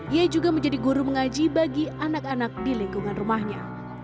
ia juga menjadi guru mengaji bagi anak anak di lingkungan rumahnya